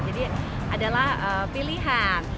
jadi adalah pilihan